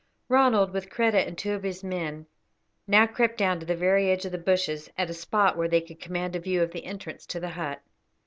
Ronald, with Kreta and two of his men, now crept down to the very edge of the bushes at a spot where they could command a view of the entrance to the hut.